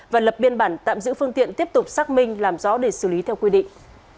và lập biên bản tạm giữ phương tiện tiếp tục xác minh làm rõ để xử lý theo quy định